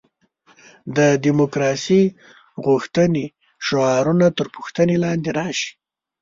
د دیموکراسي غوښتنې شعارونه تر پوښتنې لاندې راشي.